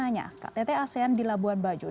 dan ini juga semakin siap dalam mendukung terlebihan